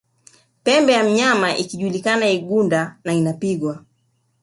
Pembe ya mnyama ikijuliakana igunda na inapigwa